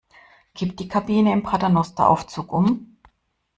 Kippt die Kabine im Paternosteraufzug um?